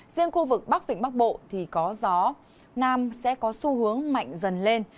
riêng khu vực bắc vịnh bắc bộ thì có gió nam sẽ có xu hướng mạnh dần lên